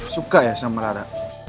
suka ya sama rara